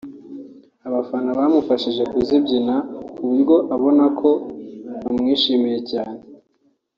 abafana bamufashije kuzibyina ku buryo ubona ko bamwishimiye cyane